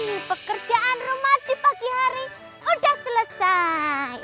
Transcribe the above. ini pekerjaan rumah di pagi hari udah selesai